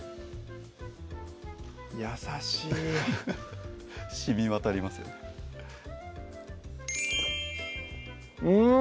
優しいしみ渡りますよねうん！